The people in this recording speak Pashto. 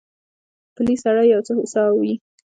پلی سړی یو څه هوسا وي.